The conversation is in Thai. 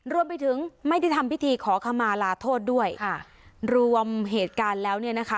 รวมไปถึงไม่ได้ทำพิธีขอขมาลาโทษด้วยค่ะรวมเหตุการณ์แล้วเนี่ยนะคะ